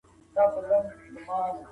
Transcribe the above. چارواکو به د مظلومانو کلکه ساتنه کوله.